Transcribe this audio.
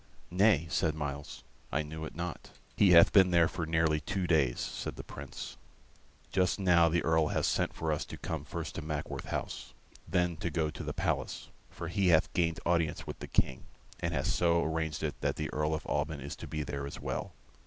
"Nay," said Myles; "I knew it not." "He hath been there for nearly two days," said the Prince. "Just now the Earl hath sent for us to come first to Mackworth House. Then to go to the palace, for he hath gained audience with the King, and hath so arranged it that the Earl of Alban is to be there as well.